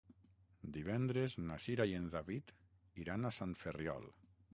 Divendres na Cira i en David iran a Sant Ferriol.